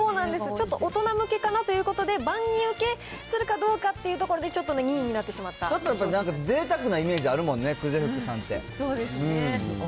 ちょっと大人向けかなということで、万人受けするかどうかっていうところで、ちょっとね、２位になっなんかぜいたくなイメージあるもんね、そうですね。